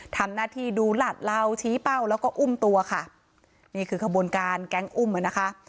ทำหน้าที่ดูหลาดเหล่าชี้เป้าแล้วก็อุ้มตัวค่ะนี่คือขบวนการแก๊งอุ้มอ่ะนะคะ